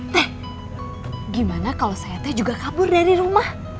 teh gimana kalau saya teh juga kabur dari rumah